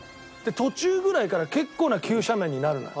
途中ぐらいから結構な急斜面になるのよ